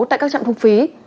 tại các trạm thông phí